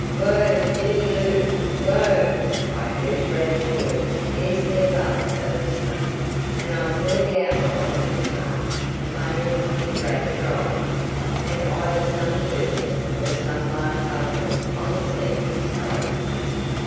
"Whoa, Jennie Loo; whoa!" I heard Rad's voice scarcely above a whisper, and I saw the outline of the cart plainly with Rad driving, and either some person or some large bundle on the seat beside him.